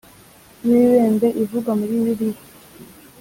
Y ibibembe ivugwa muri bibiliya